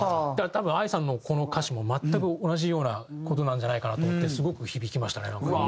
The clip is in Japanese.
だから多分ＡＩさんのこの歌詞も全く同じような事なんじゃないかなと思ってすごく響きましたね。